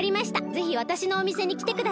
ぜひわたしのおみせにきてください。